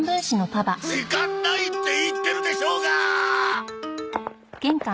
時間ないって言ってるでしょうがあ！